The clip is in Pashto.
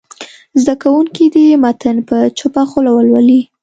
زده کوونکي دې متن په چوپه خوله ولولي.